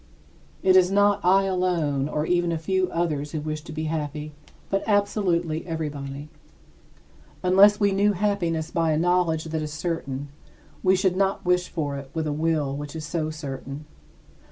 It is not I alone or even a few others who wish to be happy, but absolutely everybody. Unless we knew happiness by a knowledge that is certain, we should not wish for it with a will which is so certain.